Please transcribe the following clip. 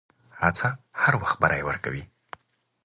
هڅه هر وخت بری ورکوي.